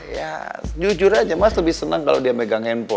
ya jujur aja mas lebih senang kalau dia megang handphone